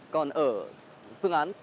còn ở phương án